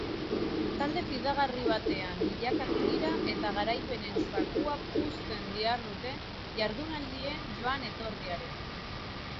Talde fidagarri batean bilakatu dira eta garaipenen zakua puzten dihardute jardunaldien joan etorriarekin.